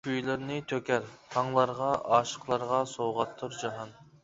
كۈيلىرىنى تۆكەر تاڭلارغا ئاشىقلارغا سوۋغاتتۇر جاھان.